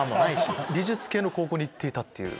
美術系の高校に行っていたっていう。